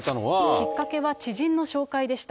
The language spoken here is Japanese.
きっかけは知人の紹介でした。